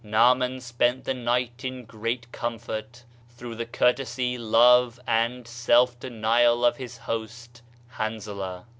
Naaman spent the night in great comfort, through the courtesy, love and self denial of his host, Hanzalah.